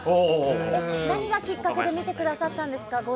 何がきっかけで見てくださったんですか？